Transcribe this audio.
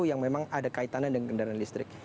yang memang ada kaitannya dengan kendaraan listrik